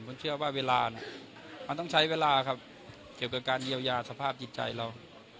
ผมเชื่อว่าเวลาเนี่ยมันต้องใช้เวลาครับเกี่ยวกับการเยียวยาสภาพจิตใจเรา